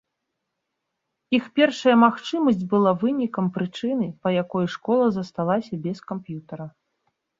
Іх першая магчымасць была вынікам прычыны па якой школа засталася без камп'ютара.